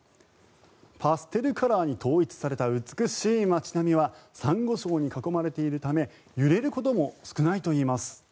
パステルカラーに統一された美しい街並みはサンゴ礁に囲まれているため揺れることも少ないといいます。